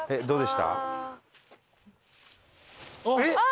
どうでした？